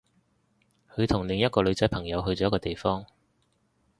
佢同另一個女仔朋友去咗一個地方